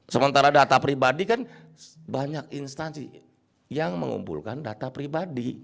sementara data pribadi kan banyak instansi yang mengumpulkan data pribadi